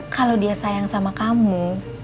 kalau dia sayang sama kamu